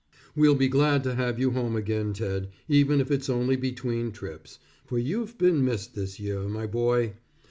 We'll be glad to have you home again Ted, even if it's only between trips, for you've been missed this year, my boy.